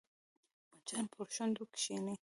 مچان پر شونډو کښېني